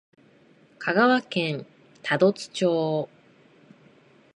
香川県多度津町